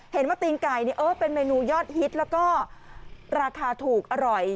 ว่าตีนไก่เป็นเมนูยอดฮิตแล้วก็ราคาถูกอร่อย